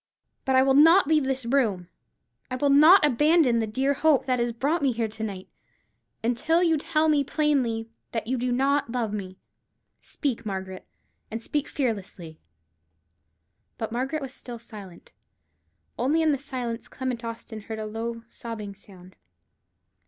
But I will not leave this room, I will not abandon the dear hope that has brought me here to night, until you tell me plainly that you do not love me. Speak, Margaret, and speak fearlessly." But Margaret was still silent, only in the silence Clement Austin heard a low, sobbing sound.